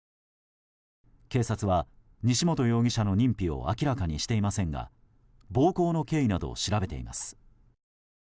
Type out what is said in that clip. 警察は西本容疑者の認否を明らかにしていませんが暴行の経緯などを調べています。